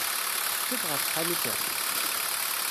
Tecfiḍ ɣef tḥanut-a?